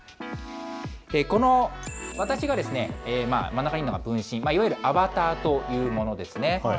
この私が、真ん中にいるのが分身、アバターというものですね。